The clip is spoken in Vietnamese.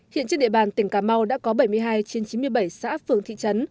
hiện trên địa bàn tỉnh cà mau đã có bảy mươi hai trên chín mươi bảy xã phường thị trấn